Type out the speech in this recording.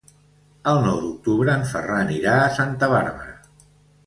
El nou d'octubre en Ferran irà a Santa Bàrbara.